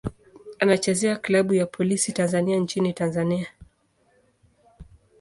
Anachezea klabu ya Polisi Tanzania nchini Tanzania.